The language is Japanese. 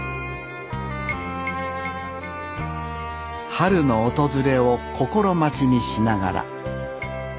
春の訪れを心待ちにしながら。